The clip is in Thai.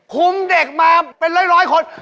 เด็กมาเป็นร้อยคน